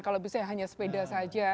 kalau bisa hanya sepeda saja